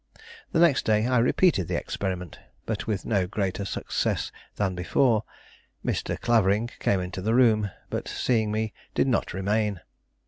The next day I repeated the experiment, but with no greater success than before. Mr. Clavering came into the room, but, seeing me, did not remain.